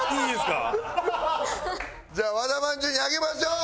じゃあ和田まんじゅうにあげましょう！